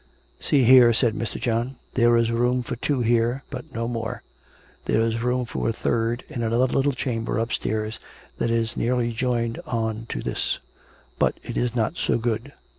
" See here," said Mr. John, " there is room for two here, but no more. There is room for a third in another little chamber upstairs that is nearly joined on to this: but it is not so good.